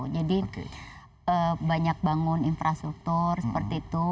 jadi banyak bangun infrastruktur seperti itu